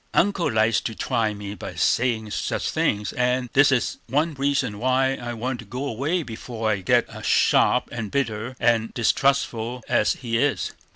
"Uncle likes to try me by saying such things, and this is one reason why I want to go away before I get sharp and bitter and distrustful as he is.